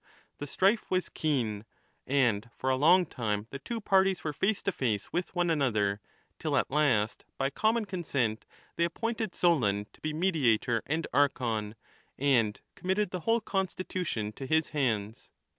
The strife was keen, and for a long time the two parties were face to face with one another, till at last, 2 by common consent, they appointed Solon to be mediator and Archon, and committed the whole constitution to his hands.